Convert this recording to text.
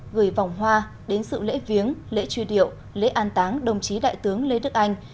gửi vòng hoa đến sự lễ viếng lễ truy điệu lễ an táng đồng chí đại tướng lê đức anh